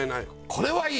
これはいい！